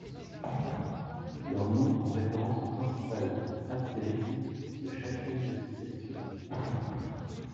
Leurs noms font référence au principal astérisme de chacune de ces sections.